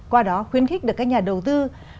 qua đó khuyến khích được các nhà đầu tư